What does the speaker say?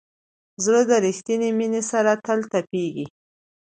زړه د ریښتینې مینې سره تل تپېږي.